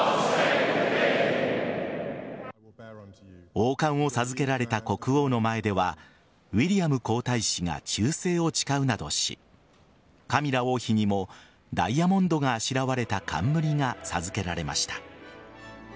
王冠を授けられた国王の前ではウィリアム皇太子が忠誠を誓うなどしカミラ王妃にもダイヤモンドがあしらわれた冠が授けられました。